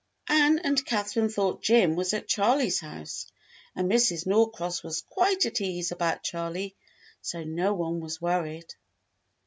Ann and Catherine thought Jim was at Charley's house, and Mrs. Norcross was quite at ease about Charley, so no one was worried.